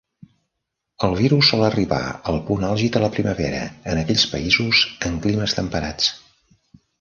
El virus sol arribar al punt àlgid a la primavera en aquells països amb climes temperats.